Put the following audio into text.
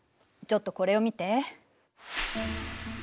ちょっとこれを見て。